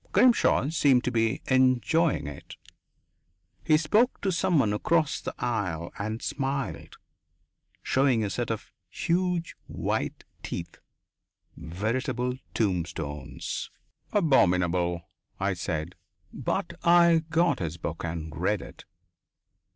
Grimshaw seemed to be enjoying it. He spoke to someone across the aisle and smiled, showing a set of huge white teeth, veritable tombstones. "Abominable," I said. But I got his book and read it.